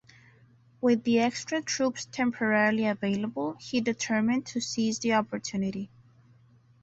With the extra troops temporarily available, he determined to seize the opportunity.